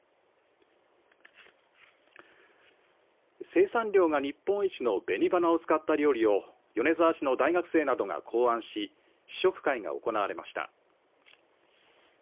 生産量が日本一の紅花を使った料理を米沢市の大学生などが考案し試食会が行われました。